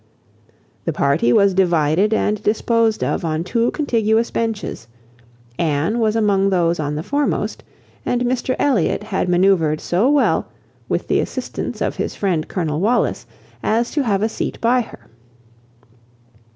The party was divided and disposed of on two contiguous benches: Anne was among those on the foremost, and Mr Elliot had manœuvred so well, with the assistance of his friend Colonel Wallis, as to have a seat by her.